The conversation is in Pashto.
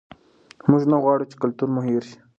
موږ نه غواړو چې کلتور مو هېر شي.